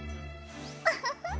ウフフ。